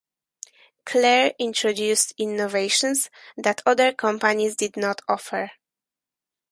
Clair introduced innovations that other companies did not offer.